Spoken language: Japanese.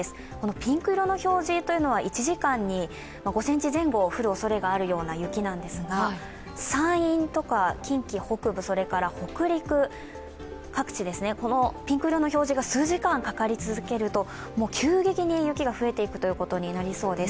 ピンク色の表示というのは１時間に５ｃｍ前後降るおそれのある雪なんですが、山陰とか近畿北部、それから北陸、各地、ピンク色の所が急激に雪が増えていくということになりそうです。